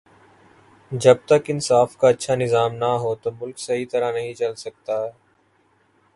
جب تک انصاف کا اچھا نظام نہ ہو تو ملک صحیح طرح نہیں چل سکتا